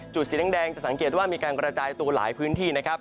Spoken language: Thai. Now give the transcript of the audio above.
สีแดงจะสังเกตว่ามีการกระจายตัวหลายพื้นที่นะครับ